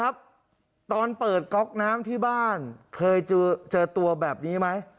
ครับตอนเปิดก๊อกน้ำที่บ้านเคยเจอตัวแบบนี้ไหม